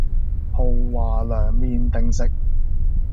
豪華涼麵定食